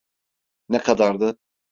Ne kadardı?